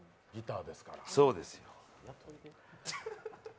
そうです。